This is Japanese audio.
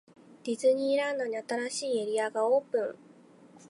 ディズニーランドに、新しいエリアがオープン!!